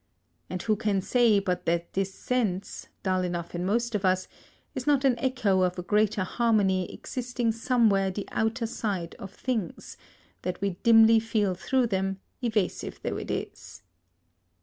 And who can say but that this sense, dull enough in most of us, is not an echo of a greater harmony existing somewhere the other side of things, that we dimly feel through them, evasive though it is.